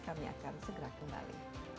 kami akan segera kembali